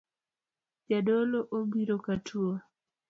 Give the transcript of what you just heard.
Jadolo obiro katuo